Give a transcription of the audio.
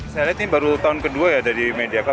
saya lihat ini baru tahun kedua ya dari media car